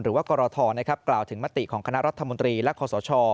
หรือว่ากรทรนะครับกล่าวถึงมติของคณะรัฐมนตรีและข้อสช